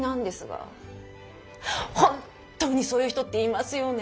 本当にそういう人っていますよね。